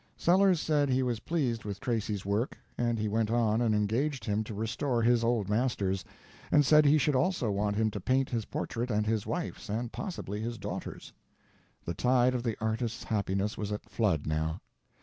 Sellers said he was pleased with Tracy's work; and he went on and engaged him to restore his old masters, and said he should also want him to paint his portrait and his wife's and possibly his daughter's. The tide of the artist's happiness was at flood, now.